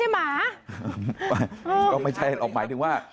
ติไหมใช่หมา